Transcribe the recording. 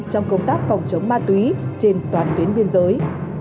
trong công tác phòng chống ma túy trên toàn tuyến biên giới